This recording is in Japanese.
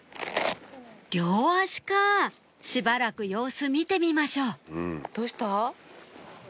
両足かしばらく様子見てみましょうどうした？